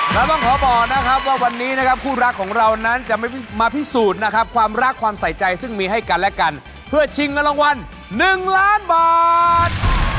เราต้องขอบอกนะครับว่าวันนี้นะครับคู่รักของเรานั้นจะไม่มาพิสูจน์นะครับความรักความใส่ใจซึ่งมีให้กันและกันเพื่อชิงเงินรางวัล๑ล้านบาท